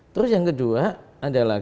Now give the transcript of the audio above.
terus yang kedua